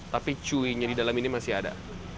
tapi cuinya di dalam ini masih ada